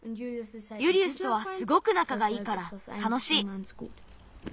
ユリウスとはすごくなかがいいからたのしい。